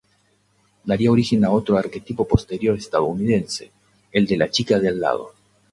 Daría origen a otro arquetipo posterior estadounidense, el de "la chica de al lado".